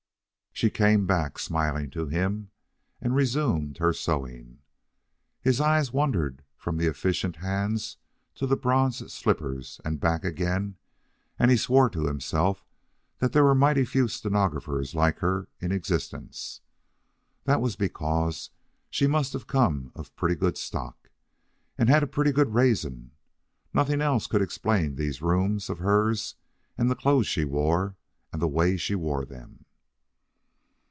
She came back, smiling to him, and resumed her sewing. His eyes wandered from the efficient hands to the bronze slippers and back again, and he swore to himself that there were mighty few stenographers like her in existence. That was because she must have come of pretty good stock, and had a pretty good raising. Nothing else could explain these rooms of hers and the clothes she wore and the way she wore them.